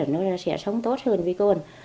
nó sẽ sống tốt hơn với con